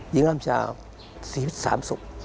ยิงร่ำชาว๔วิทยา๓ศพ